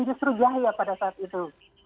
justru jahia pada saat itu